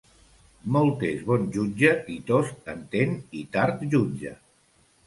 Molt és bon jutge qui tost entén i tard jutja.